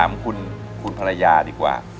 ถามคุณภรรยาดีกว่า